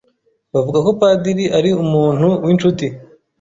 Bavuga ko Padiri ari umuntu winshuti.